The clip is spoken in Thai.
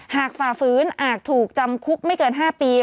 ฝ่าฝืนอาจถูกจำคุกไม่เกิน๕ปี